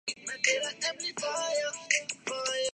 ضبط کا حوصلہ نہیں باقی